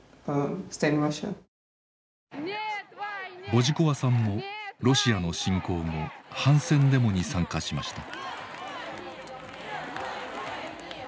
ボジコワさんもロシアの侵攻後反戦デモに参加しました。